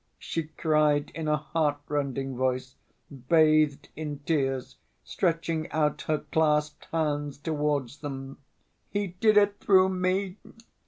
she cried, in a heartrending voice, bathed in tears, stretching out her clasped hands towards them. "He did it through me.